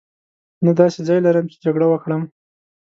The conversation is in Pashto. نه داسې ځای لرم چې جګړه وکړم.